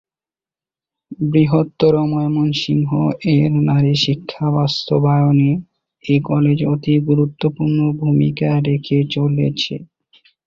বৃহত্তর ময়মনসিংহ এর নারীশিক্ষা বাস্তবায়নে এ কলেজ অতি গুরুত্বপূর্ণ ভূমিকা রেখে চলেছে।